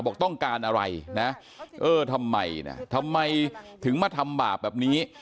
บอกต้องการอะไรนะเออทำไมนะทำไมถึงมาทำบาปแบบนี้